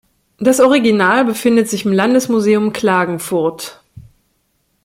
Das Original befindet sich im Landesmuseum Klagenfurt.